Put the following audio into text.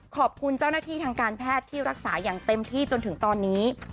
ขอบคุณเจ้าหน้าที่ทางการแพทย์ที่รักษาอย่างเต็มที่จนถึงตอนนี้